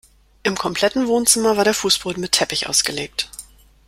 Im kompletten Wohnzimmer war der Fußboden mit Teppich ausgelegt.